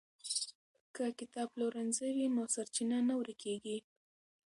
که کتابپلورنځی وي نو سرچینه نه ورکېږي.